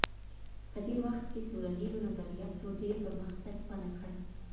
په دې وخت کي ټولنیزو نظریاتو ډېر پرمختګ ونه کړ.